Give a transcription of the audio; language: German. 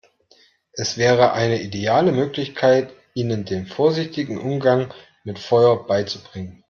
Es wäre eine ideale Möglichkeit, ihnen den vorsichtigen Umgang mit Feuer beizubringen.